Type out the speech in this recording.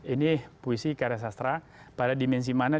ini puisi karya sastra pada dimensi mana